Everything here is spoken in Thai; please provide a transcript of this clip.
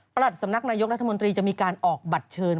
สำนักนายกรัฐมนตรีจะมีการออกบัตรเชิญ